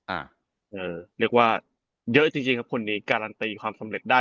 อ่าเรียกว่าเยอะจริงจริงครับคนนี้การันตีความสำเร็จได้